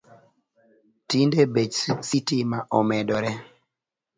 Tinde bech sitima omedore